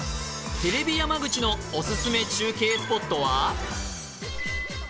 テレビ山口のおすすめ中継スポットは？